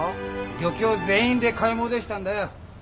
漁協全員で買い戻したんだよ。